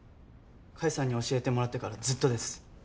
甲斐さんに教えてもらってからずっとです。